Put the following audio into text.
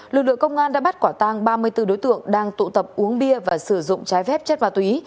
lực lượng công an đã bắt quả tang ba mươi bốn đối tượng đang tụ tập uống bia và sử dụng trái phép chất ma túy